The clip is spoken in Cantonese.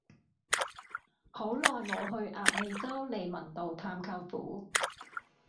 好耐無去鴨脷洲利民道探舅父